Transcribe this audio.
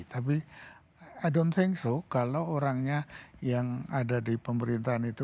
tapi i don t think so kalau orangnya yang ada di pemerintahan itu